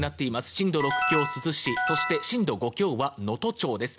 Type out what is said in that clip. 震度６強、珠洲市そして、震度５強は能登町です。